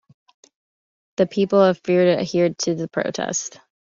The people of Feteirs adhered to the protests.